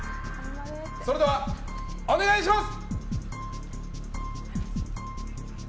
それでは、お願いします。